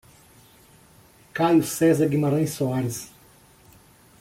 Caio Cezar Guimaraes Soares